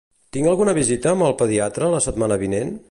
Tinc alguna visita amb el pediatre la setmana vinent?